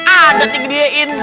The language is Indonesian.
ah detik dia in